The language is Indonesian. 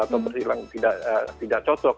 atau berkilang tidak cocok